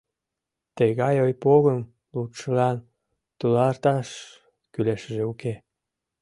Тыгай ойпогым лудшылан туларташ кӱлешыже уке.